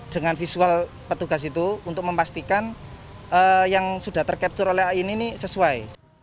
dengan visual petugas itu untuk memastikan yang sudah tercapture oleh aini ini sesuai